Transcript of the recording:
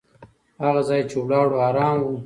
هغه ځای چې ولاړو، ارام و.